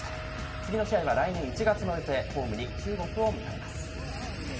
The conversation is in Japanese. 次の試合は来年１月の予定、ホームに中国を迎えます。